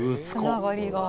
つながりが。